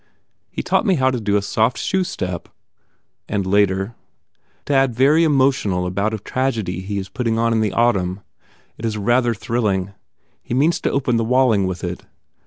He taught me how to do a soft shoe step." And later, "Dad very emo tionne about a tragedy he is putting on in the au tumn. It is rather thrilling. He means to open The Walling with it.